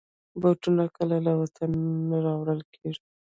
بوټونه کله له وطنه راوړل کېږي.